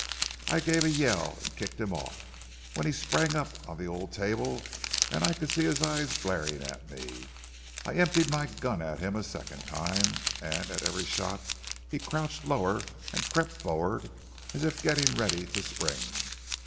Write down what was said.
I gave a yell and kicked him off, when he sprang up on the old table and I could see his eyes glaring at me. I emptied my gun at him a second time, and at every shot he crouched lower and crept forward as if getting ready to spring.